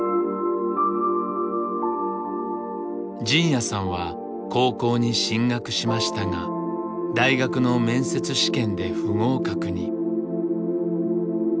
仁也さんは高校に進学しましたが大学の面接試験で不合格に。